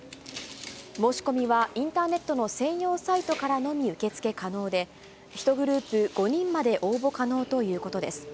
申し込みはインターネットの専用サイトからのみ受け付け可能で、１グループ５人まで応募可能ということです。